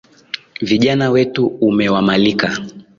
Vijana wetu umewamalika.